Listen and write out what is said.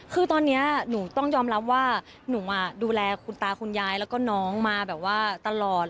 คือตอนนี้หนูต้องยอมรับว่าหนูดูแลคุณตาคุณยายแล้วก็น้องมาแบบว่าตลอด